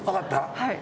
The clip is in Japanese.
はい。